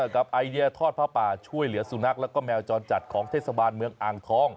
ไอเดียทอดผ้าป่าช่วยเหลือสุนัขแล้วก็แมวจรจัดของเทศบาลเมืองอ่างทอง